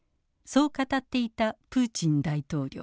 そう語っていたプーチン大統領。